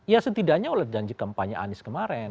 ya setidaknya oleh janji kampanye anies kemarin